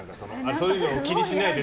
そういうの気にしないで。